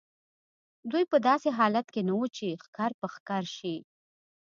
دوی په داسې حالت کې نه وو چې ښکر په ښکر شي.